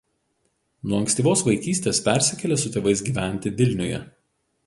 Nuo ankstyvos vaikystės persikėlė su tėvais gyventi Vilniuje.